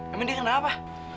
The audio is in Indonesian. emang dia kenapa